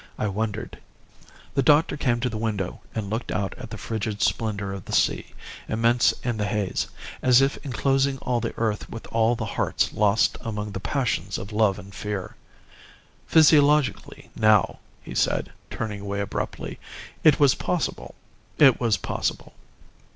I wondered...." The Doctor came to the window and looked out at the frigid splendour of the sea, immense in the haze, as if enclosing all the earth with all the hearts lost among the passions of love and fear. "Physiologically, now," he said, turning away abruptly, "it was possible. It was possible."